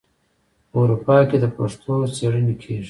په اروپا کې د پښتو څیړنې کیږي.